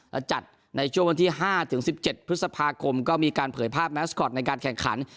และจัดในช่วงวันที่๕ถึง๑๗พฤษภาคมก็มีการเผยภาพแมสคอตในการแข่งขัน